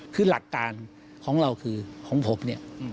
คือหลักการของเราคือของผมเนี่ย